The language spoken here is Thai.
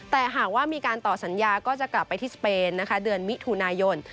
แต่หากว่ามีการต่อสัญญาก็จะกลับไปที่สเปนนะคะเดือนมิถุนายน